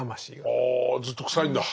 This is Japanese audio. あずっと臭いんだ。